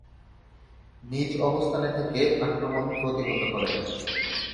নিজ অবস্থানে থেকে আক্রমণ প্রতিহত করেন।